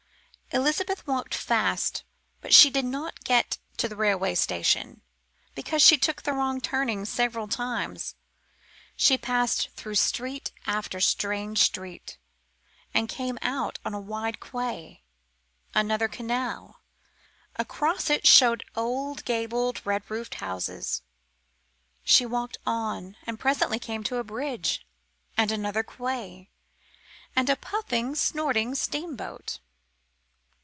Elizabeth walked fast, but she did not get to the railway station, because she took the wrong turning several times. She passed through street after strange street, and came out on a wide quay; another canal; across it showed old, gabled, red roofed houses. She walked on and came presently to a bridge, and another quay, and a little puffing, snorting steamboat.